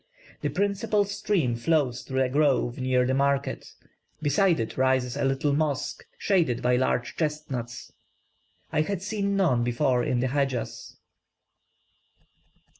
The principal stream flows through a grove near the market; beside it rises a little mosque, shaded by large chestnuts. I had seen none before in the Hedjaz."